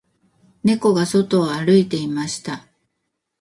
猫が外を歩いていました